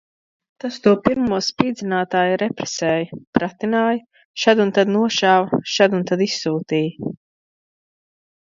Tas to pirmo spīdzinātāju represēja, pratināja, šad un tad nošāva, šad un tad izsūtīja.